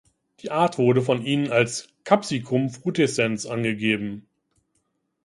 Die Art wurde von ihnen als "Capsicum frutescens" angegeben.